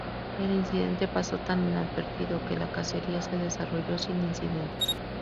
El incidente pasó tan inadvertido que la cacería se desarrolló sin incidentes.